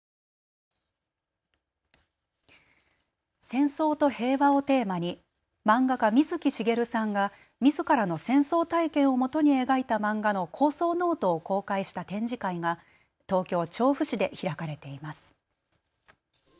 戦争と平和をテーマに漫画家、水木しげるさんがみずからの戦争体験をもとに描いた漫画の構想ノートを公開した展示会が東京調布市で開かれています。